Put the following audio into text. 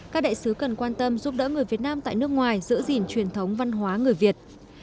các đại sứ cần quan tâm giúp đỡ người việt nam tại nước ngoài giữ gìn truyền thống văn hóa người việt